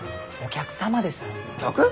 客？